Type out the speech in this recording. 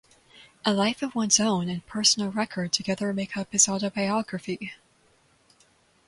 'A life of One's Own' and 'Personal Record' together make up his autobiography.